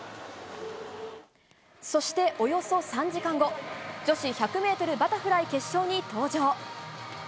そして、およそ３時間後女子１００ｍバタフライ決勝に登場。